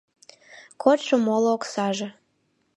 Кодшо моло оксаже.